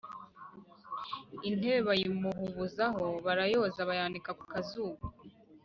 intebe bayimuhubuzaho barayoza, bayanika ku kazuba